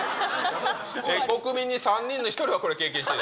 国民の３人に１人はこれ経験している？